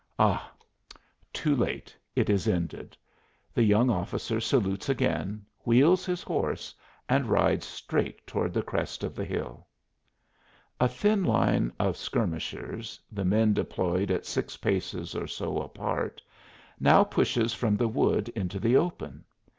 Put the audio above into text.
Ah! too late it is ended. The young officer salutes again, wheels his horse, and rides straight toward the crest of the hill! A thin line of skirmishers, the men deployed at six paces or so apart, now pushes from the wood into the open.